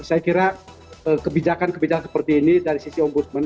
saya kira kebijakan kebijakan seperti ini dari sisi ombudsman